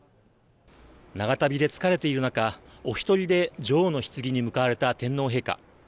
長旅で疲れている中お一人で女王のひつぎに向かわれた天皇陛下。